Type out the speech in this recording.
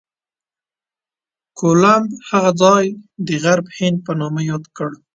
کولمب هغه ځای د غرب هند په نامه یاد کړ.